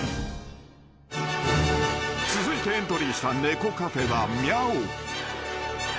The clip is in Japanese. ［続いてエントリーした猫カフェは］